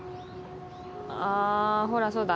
あほらそうだ。